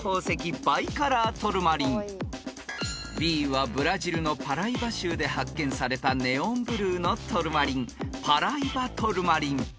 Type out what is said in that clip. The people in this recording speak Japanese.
［Ｂはブラジルのパライバ州で発見されたネオンブルーのトルマリン］